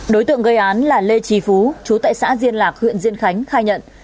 đối tượng gây án là lê trì phú chú tại xã diên lạc huyện diên khánh khai nhận